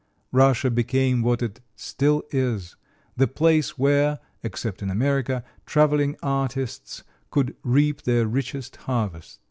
Russia became what it still is the place where (except in America) traveling artists could reap their richest harvests.